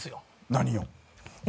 何よ？